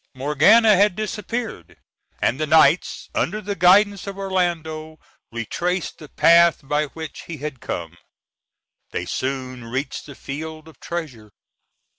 Morgana had disappeared, and the knights, under the guidance of Orlando, retraced the path by which he had come. They soon reached the field of treasure.